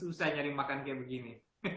susah nyari makan kayak begini